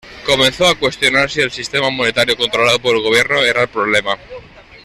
Comenzó a cuestionar si el sistema monetario controlado por el gobierno era el problema.